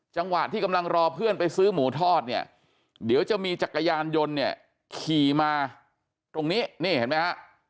จังหวะที่กำลังรอเพื่อนไปซื้อหมูทอดเนี่ยเดี๋ยวจะมีจักรยานยนต์เนี่ยขี่มาตรงนี้นี่เห็นไหมฮะ